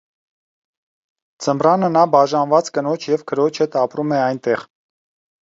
Ձմռանը նա բաժանված կնոջ և քրոջ հետ ապրում է այնտեղ։